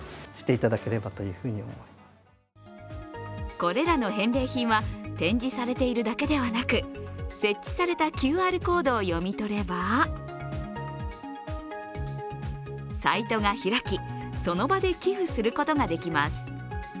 これらの返礼品は展示されているだけではなく設置されたＱＲコードを読み取ればサイトが開き、その場で寄付することができます。